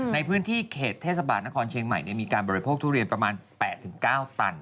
ในพื้นที่เขตเทศบาลนครเชียงใหม่มีการบริโภคทุเรียนประมาณ๘๙ตัน